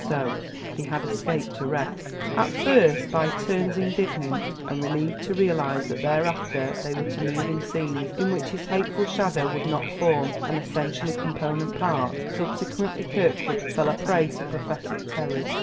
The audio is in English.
So he had escaped arrest.... At first by turns indignant and relieved to realize that thereafter they were to move in scenes in which his hateful shadow would not form an essentially component part, subsequently Kirkwood fell a prey to prophetic terrors.